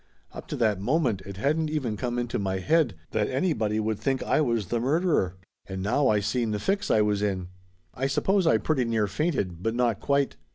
Up to that moment it hadn't even come into my head that anybody would think I was the murderer. And now I seen the fix I was in. I suppose I pretty near fainted, but not quite.